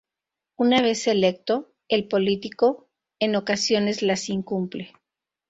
Una vez electo, el político, en ocasiones, las incumple.